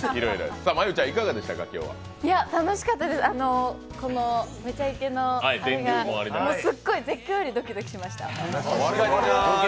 楽しかったです、「めちゃイケ」のあれが、すっごい、絶叫よりドキドキしました。